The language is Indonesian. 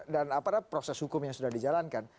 dan proses hukum yang sudah dijalankan